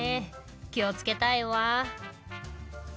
気をつけたいわ。